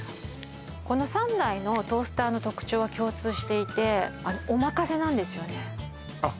この３台のトースターの特徴は共通していてお任せなんですよねあっ